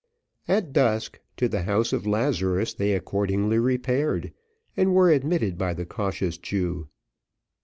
At dusk, to the house of Lazarus they accordingly repaired, and were admitted by the cautious Jew.